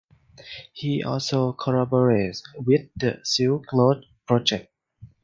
He also collaborates with the Silk Road Project.